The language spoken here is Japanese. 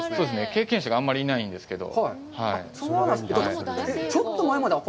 経験者があんまりいないんですけど。